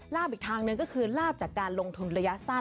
อีกทางหนึ่งก็คือลาบจากการลงทุนระยะสั้น